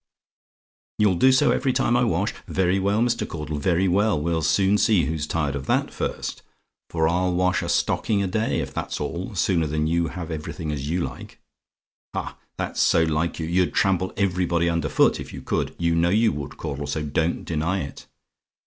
"YOU'LL DO SO EVERY TIME I WASH? "Very well, Mr. Caudle very well. We'll soon see who's tired of that, first; for I'll wash a stocking a day if that's all, sooner than you should have everything as you like. Ha! that's so like you: you'd trample everybody under foot, if you could you know you would, Caudle, so don't deny it.